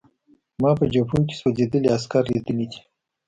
ما په جبهو کې سوځېدلي عسکر لیدلي دي